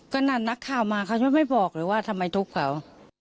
ก็นาดนักข่าวมากแค่ไม่บอกเลยว่าทำไมทุกข์เขา